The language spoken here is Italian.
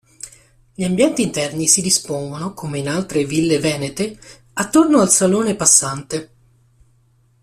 Gli ambienti interni si dispongono, come in altre ville venete, attorno al salone passante.